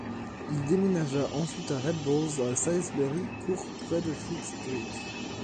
Il déménagea ensuite à Red Balls à Salisbury Court près de Fleet Street.